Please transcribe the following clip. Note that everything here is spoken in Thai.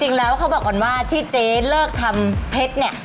เขาบอกก่อนว่าที่เจ๊เลิกทำเพชรเนี่ย